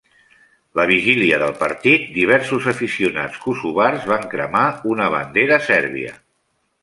La vigília del partit, diversos aficionats kosovars van cremar una bandera sèrbia.